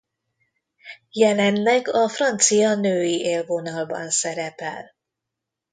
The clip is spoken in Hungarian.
Jelenleg a francia női élvonalban szerepel.